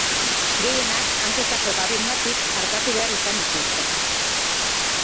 Gehienak, hanketako babengatik artatu behar izan dituzte.